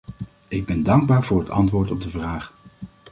Ik ben dankbaar voor het antwoord op de vraag.